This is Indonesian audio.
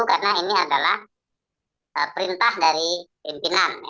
karena ini adalah perintah dari pimpinan